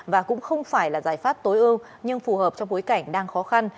và cũng không phải là giải pháp tối ưu nhưng phù hợp trong bối cảnh đang khó khăn